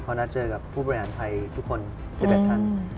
เขานัดเจอกับผู้บริหารไทยทุกคน๑๑ท่าน